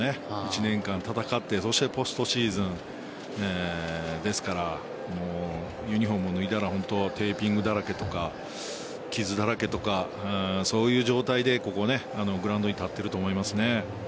１年間戦ってポストシーズンですからユニホームを脱いだらテーピングだらけとか傷だらけとかそういう状態でグラウンドに立っていると思いますね。